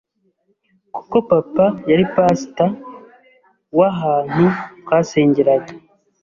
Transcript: kuko papa yari pastor, wahantu twasengeraga